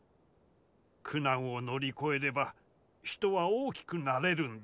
苦難を乗り越えれば人は大きくなれるんだ。